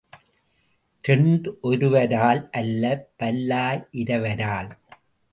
இரண்டொருவரால் அல்ல, பல்லாயிரவரால்.